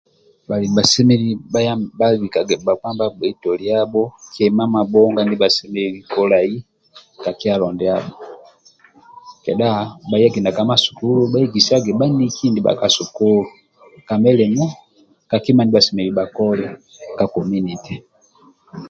Bhalimi bhasemelelu bhaye bhabikage bhakpa nibhagbei toliabho kima mabhonga ndibha semelelu kolai ka kyalo ndiabho kedha bhayage ka masukulu bhabhuegesage ka milimo ka kima ndia bhasemelelu kolai ka komunite